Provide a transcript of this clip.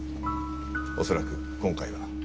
恐らく今回は。